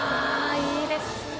いいですね。